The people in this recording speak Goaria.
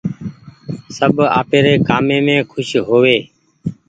سب آپيري ڪآمي مين کوش هووي۔